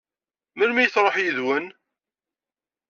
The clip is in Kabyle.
Melmi i tṛuḥ yid-wen?